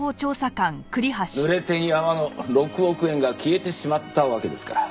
濡れ手に粟の６億円が消えてしまったわけですから。